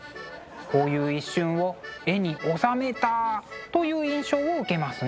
こういう一瞬を絵に収めたという印象を受けますね。